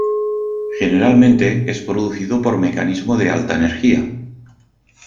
Generalmente es producido por mecanismo de alta energía.